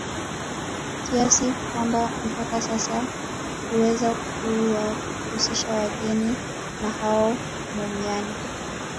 Kiasi kwamba mpaka sasa huweza kuwahusisha wageni na hao mumiani